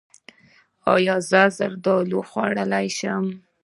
ایا زه زردالو خوړلی شم؟